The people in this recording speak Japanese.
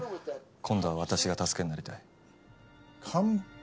「今度は私が助けになりたい」。